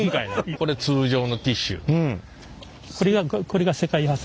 これ通常のティッシュ。